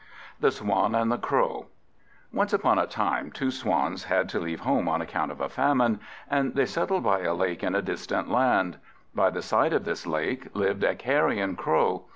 The Swan and the Crow ONCE upon a time, two Swans had to leave home on account of a famine; and they settled by a lake in a distant land. By the side of this lake lived a Carrion Crow.